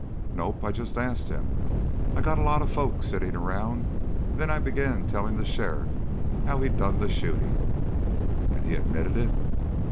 "Nope. I just asked him. I got a lot of folks sitting around, and then I began telling the sheriff how he done the shooting." "And he admitted it?"